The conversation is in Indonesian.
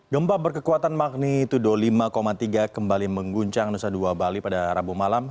gempa berkekuatan magnitudo lima tiga kembali mengguncang nusa dua bali pada rabu malam